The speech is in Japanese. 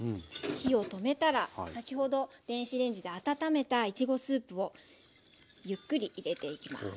火を止めたら先ほど電子レンジで温めたいちごスープをゆっくり入れていきます。